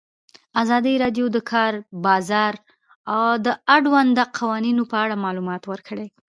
ازادي راډیو د د کار بازار د اړونده قوانینو په اړه معلومات ورکړي.